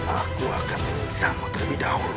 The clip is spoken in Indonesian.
aku akan bisamu terlebih dahulu